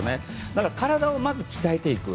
だから体をまず鍛えていく。